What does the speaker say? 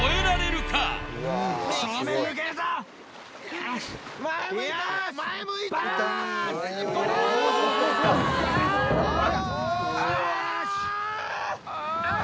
よし！